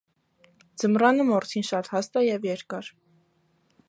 Ձմռանը մորթին շատ հաստ է և երկար։